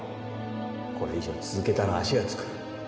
これ以上続けたら足がつく。